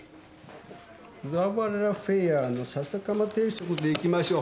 小田原フェアの笹かま定食でいきましょう。